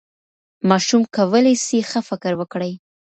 ماشوم کولی سي ښه فکر وکړي.